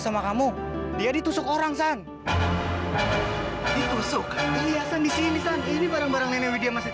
sama kamu dia ditusuk orang san ditusuk iya sang di sini ini barang barangnya dia masih